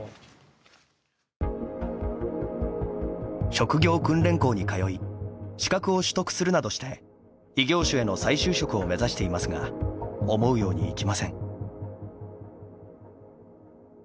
職業訓練校に通い資格を取得するなどして異業種への再就職を目指していますが思うようにいきません。